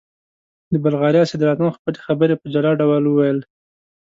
د بلغاریا صدراعظم خپلې خبرې په جلا ډول وویل.